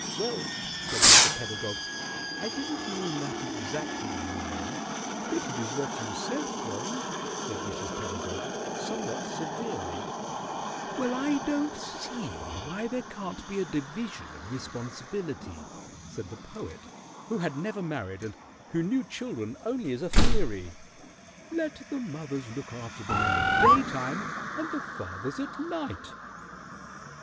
"Ahem! Well," said Mr. Pedagog, "I didn't mean that exactly, you know " "But it's what you said, John," said Mrs. Pedagog, somewhat severely. [Illustration: "'LET THE FATHERS LOOK AFTER THE CHILDREN AT NIGHT'"] "Well, I don't see why there can't be a division of responsibility," said the Poet, who had never married, and who knew children only as a theory. "Let the mothers look after them in the daytime, and the fathers at night."